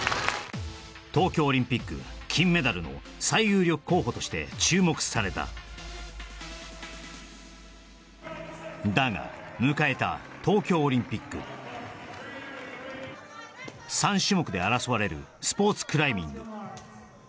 東京オリンピック金メダルの最有力候補として注目されただが迎えた東京オリンピック３種目で争われるスポーツクライミング